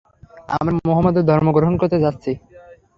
আমরা মুহাম্মাদের ধর্ম গ্রহণ করতে যাচ্ছি।